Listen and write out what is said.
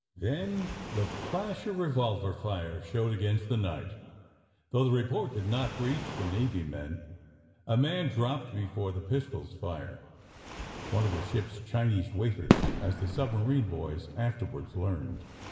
Then the flash of revolver fire showed against the night, though the report did not reach the Navy men. A man dropped before the pistol's fire — one of the ship's Chinese waiters as the submarine boys afterwards learned.